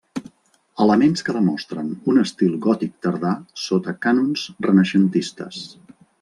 Elements que demostren un estil gòtic tardà sota cànons renaixentistes.